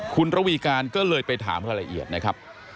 คุณระวีการก็เลยไปถามรายละเอียดนะครับ